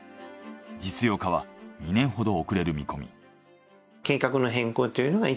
実用化は２年ほど遅れる見込み。